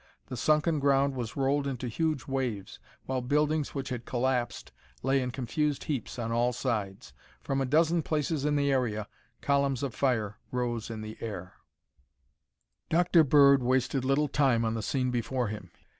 The sunken ground was rolled into huge waves while buildings which had collapsed lay in confused heaps on all sides. From a dozen places in the area, columns of fire rose in the air. Dr. Bird wasted little time on the scene before him.